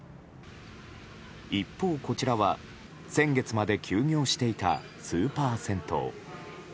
一方、こちらは先月まで休業していたスーパー銭湯。